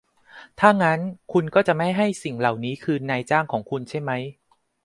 ถ้างั้นคุณก็จะไม่ให้สิ่งเหล่านี้คืนนายจ้างของคุณใช่มั้ย